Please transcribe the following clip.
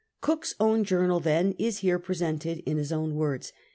Cook's own journal, then, is here presented in his own words.